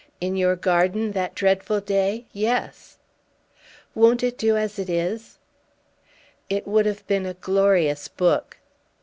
"In your garden that dreadful day? Yes!" "Won't it do as it is?" "It would have been a glorious book."